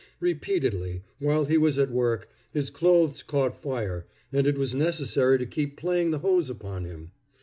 Repeatedly, while he was at work, his clothes caught fire, and it was necessary to keep playing the hose upon him.